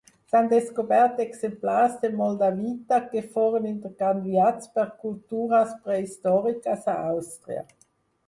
S'han descobert exemplars de moldavita que foren intercanviats per cultures prehistòriques a Àustria.